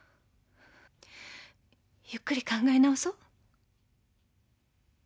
ゆっくり考え直そう。